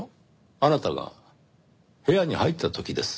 あなたが部屋に入った時です。